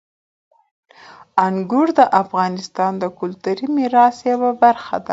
انګور د افغانستان د کلتوري میراث یوه برخه ده.